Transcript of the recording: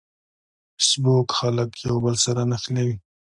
فېسبوک خلک یو بل سره نښلوي